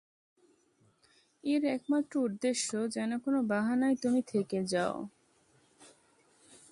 এর একমাত্র উদ্দেশ্য, যেন কোন বাহানায় তুমি থেকে যাও।